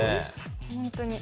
本当に。